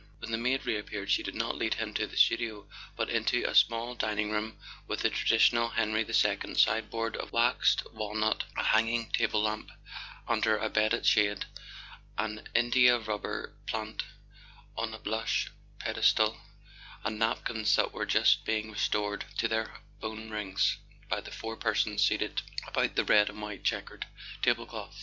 When the maid reappeared she did not lead him to the studio, but into a small dining room with the traditional Henri II sideboard of waxed walnut, a [ 66 ] A SON AT THE FRONT hanging table lamp under a beaded shade, an India rubber plant on a plush pedestal, and napkins that were just being restored to their bone rings by the four persons seated about the red and white checkered table cloth.